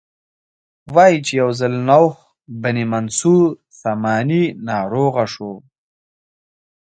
وایي چې یو ځل نوح بن منصور ساماني ناروغ شو.